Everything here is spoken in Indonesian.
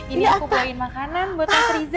ini aku bawain makanan buat riza